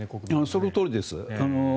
そのとおりです。